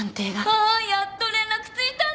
ああやっと連絡ついたんだ！